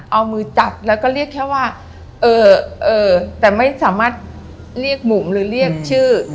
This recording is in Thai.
เอามือจับแล้วก็เรียกแค่ว่าแต่ไม่สามารถเรียกบุ๋มหรือเรียกชื่อ